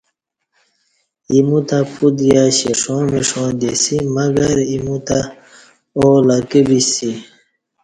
ایموُ تہ پُت یش، ایݜاݩ مݜاݩ دی اسی، مگر ایمو تہ او لکہ بسیسی۔